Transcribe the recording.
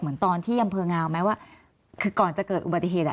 เหมือนตอนที่อำเภองาวไหมว่าคือก่อนจะเกิดอุบัติเหตุอ่ะ